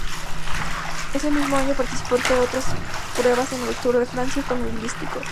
Ese mismo año participó, entre otras pruebas, en el Tour de Francia Automovilístico.